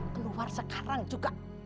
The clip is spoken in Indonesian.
keluar sekarang juga